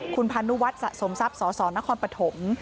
คุณพานุวัฒนสะสมทรัพย์สสนครปฐม